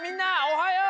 おはよう！